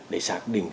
để xác định